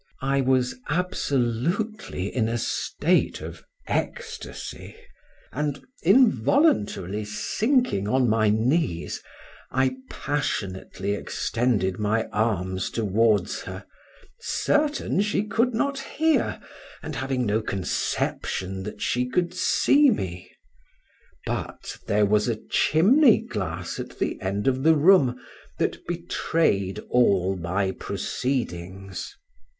I was absolutely in a state of ecstasy, and, involuntary, sinking on my knees, I passionately extended my arms towards her, certain she could not hear, and having no conception that she could see me; but there was a chimney glass at the end of the room that betrayed all my proceedings.